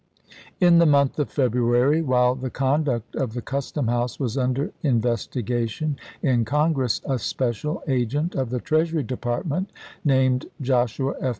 In the month of February, while the conduct of the custom house was under investigation in Congress, a special agent of the Treasury Department, named Joshua F.